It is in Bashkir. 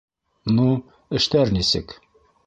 — Ну, эштәр нисек?